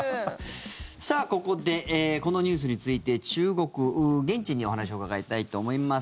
ここでこのニュースについて中国、現地にお話を伺いたいと思います。